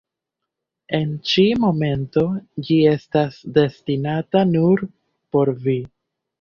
En ĉi momento ĝi estas destinata nur por vi.